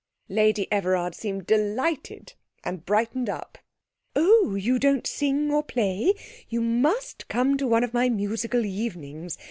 Lady Everard seemed delighted and brightened up. 'Oh, you don't sing or play? you must come to one of my Musical Evenings.